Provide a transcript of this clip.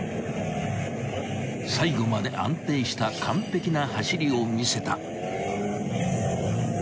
［最後まで安定した完璧な走りを見せた］